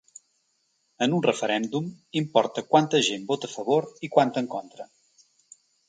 En un referèndum, importa quanta gent vota a favor i quanta en contra.